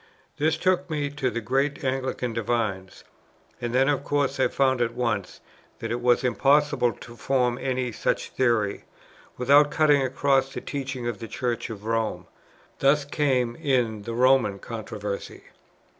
This took me to the great Anglican divines; and then of course I found at once that it was impossible to form any such theory, without cutting across the teaching of the Church of Rome. Thus came in the Roman controversy.